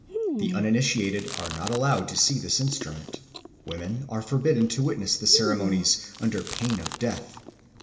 The uninitiated are not allowed to see this instrument. Women are forbidden to witness the ceremonies under pain of death.